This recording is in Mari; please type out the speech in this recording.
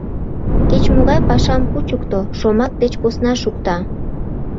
Кеч-могай пашам кучыкто, шомак деч посна шукта.